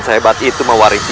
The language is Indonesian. kenapa kau menyerang aku